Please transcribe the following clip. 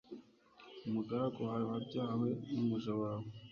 umugaragu wawe wabyawe n’umuja wawe